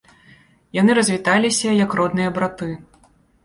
Яны развіталіся, як родныя браты.